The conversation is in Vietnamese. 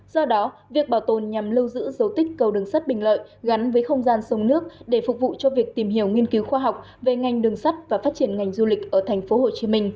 do đó việc bảo tồn nhằm lưu giữ dấu tích cầu đường sắt bình lợi gắn với không gian sông nước để phục vụ cho việc tìm hiểu nghiên cứu khoa học về ngành đường sắt và phát triển ngành du lịch ở tp hcm